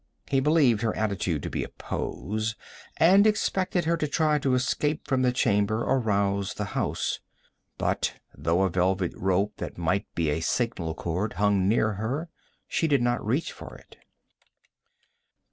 He believed her attitude to be a pose, and expected her to try to escape from the chamber or rouse the house. But, though a velvet rope that might be a signal cord hung near her, she did not reach for it.